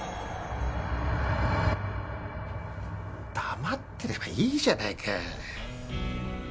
黙ってればいいじゃないか。